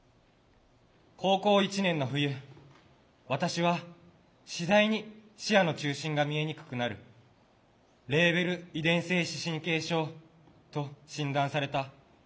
高校１年の冬私はしだいに視野の中心が見えにくくなるレーベル遺伝性視神経症と診断された。